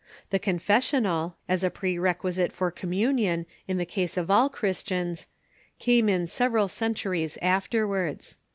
The confessional, as a pre requisite for communion in the case of all Christians, came in several centuries afterwards.